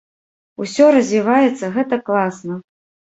Усё развіваецца, гэта класна.